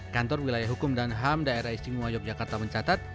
kantor wilayah hukum dan ham daerah istimewa yogyakarta mencatat